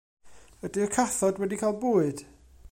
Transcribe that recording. Ydi'r cathod wedi cael bwyd?